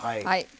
はい。